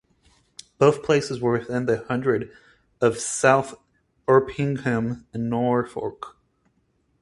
Both places were within the hundred of South Erpingham in Norfolk.